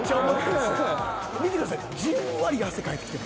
見てください。